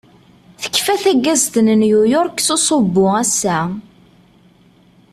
Tekfa taggazt n New York s usubbu ass-a.